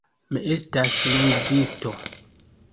Mi estas lingvisto.